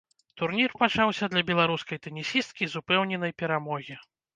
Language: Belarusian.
Турнір пачаўся для беларускай тэнісісткі з упэўненай перамогі.